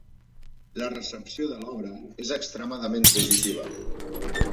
La recepció de l'obra és extremadament positiva.